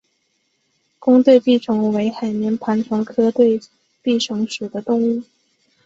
弓对臂虫为海绵盘虫科对臂虫属的动物。